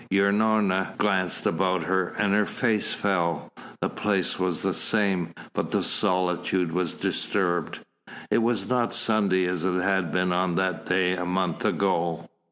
Unorna glanced about her and her face fell. The place was the same, but the solitude was disturbed. It was not Sunday as it had been on that day a month ago.